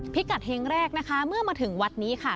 พิกัดเฮงแรกนะคะเมื่อมาถึงวัดนี้ค่ะ